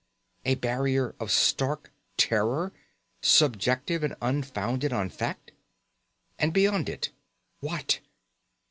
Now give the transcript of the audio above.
A barrier of stark terror, subjective and unfounded on fact? And beyond it what?